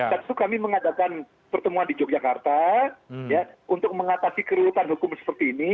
tentu kami mengadakan pertemuan di yogyakarta untuk mengatasi kerurutan hukum seperti ini